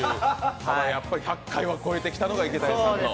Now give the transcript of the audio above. やっぱり１００回は超えてきたのが池谷さん。